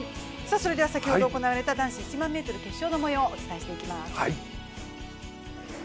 先ほど行われた男子１００００ｍ決勝のもようをお伝えしていきます。